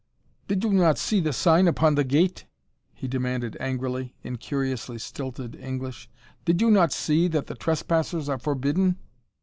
"Did you not see the sign upon the gate?" he demanded angrily, in curiously stilted English. "Did you not see that trespassers are forbidden?